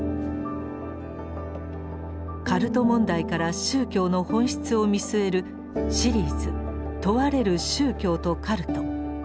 カルト問題から宗教の本質を見据えるシリーズ「問われる宗教と“カルト”」。